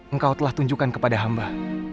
engkau telah tunjukkan kepada hamba